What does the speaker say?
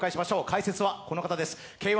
解説はこの方です。